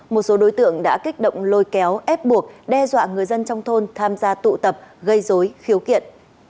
một số đối tượng đã kích động lôi kéo ép buộc đe dọa người dân trong thôn tham gia tụ tập gây dối khiếu kiện